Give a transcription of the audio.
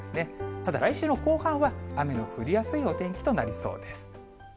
ただ来週の後半は、雨の降りやすいお天気となりそうです。